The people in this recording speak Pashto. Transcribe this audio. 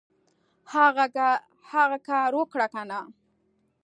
هغه کار اوکړه کنه !